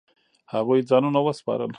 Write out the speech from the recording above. هغوی ځانونه وسپارل.